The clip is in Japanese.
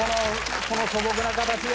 この素朴な形で。